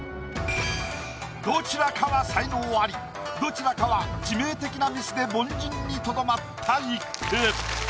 どちらかは才能アリどちらかは致命的なミスで凡人にとどまった一句。